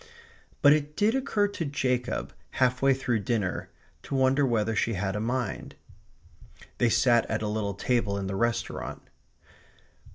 But it did occur to Jacob, half way through dinner, to wonder whether she had a mind. They sat at a little table in the restaurant.